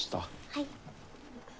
はい。